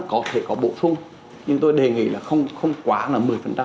không quá là một mươi